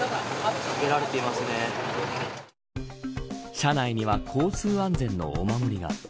車内には交通安全のお守りが。